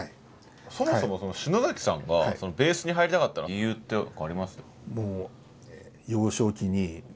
そもそもその篠崎さんがベースに入りたかった理由ってあります？